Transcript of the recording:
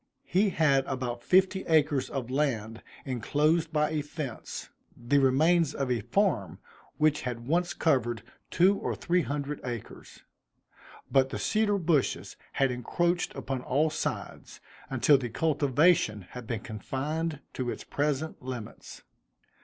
He had about fifty acres of land enclosed by a fence, the remains of a farm which had once covered two or three hundred acres; but the cedar bushes had encroached upon all sides, until the cultivation had been confined to its present limits.